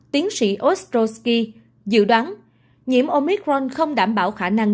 tiến sĩ osdosky dự đoán nhiễm omicron không đảm bảo khả năng